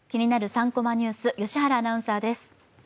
３コマニュース」、良原アナウンサーです。